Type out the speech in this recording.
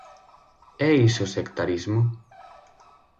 ¿É iso sectarismo?